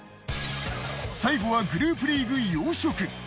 最後はグループリーグ洋食。